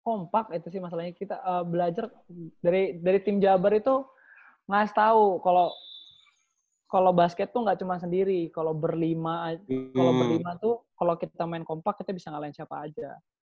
kompak itu sih masalahnya kita belajar dari tim jabat itu ngasih tahu kalau basket tuh nggak cuma sendiri kalau berlima kalau kita main kompak kita bisa ngalahin siapa aja